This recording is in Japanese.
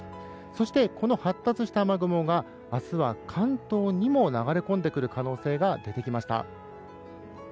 そしてこの発達した雨雲が明日は関東にも流れ込んでくる可能性が出てきました。